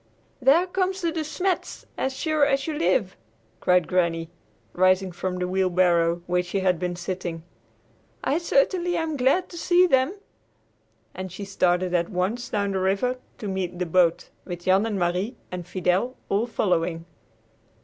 "There come the De Smets, as sure as you live!" cried Granny, rising from the wheelbarrow, where she had been sitting. "I certainly am glad to see them." And she started at once down the river to meet the boat, with Jan and Marie and Fidel all following.